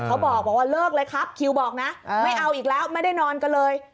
เขาบอกว่าเลิกเลยครับคิวบอกนะไม่เอาอีกแล้วไม่ได้นอนกันเลย